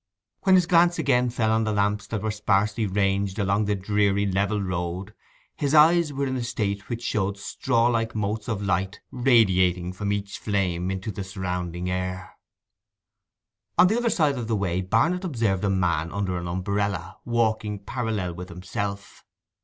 When his glance again fell on the lamps that were sparsely ranged along the dreary level road, his eyes were in a state which showed straw like motes of light radiating from each flame into the surrounding air. On the other side of the way Barnet observed a man under an umbrella, walking parallel with himself.